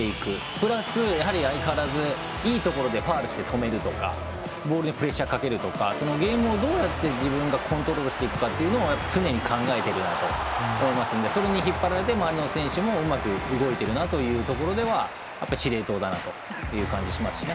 プラス相変わらずいいところでファウルして止めるとかボールでプレッシャーかけるとかゲームを、どうやって自分がコントロールしていくかというのを常に考えてると思いますのでそれに引っ張られて、前の選手もうまく動いてるなというところでは司令塔だなという感じがしますね。